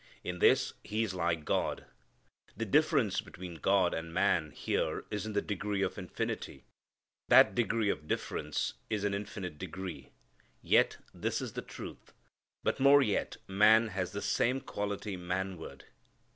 In this he is like God. The difference between God and man here is in the degree of infinity. That degree of difference is an infinite degree. Yet this is the truth. But more yet: man has this same quality _man_ward.